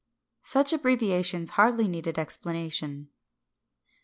Such abbreviations hardly need explanation.